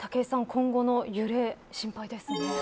今後の揺れ、心配ですね。